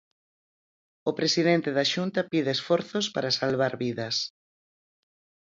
O presidente da Xunta pide esforzos para salvar vidas.